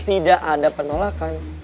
tidak ada penolakan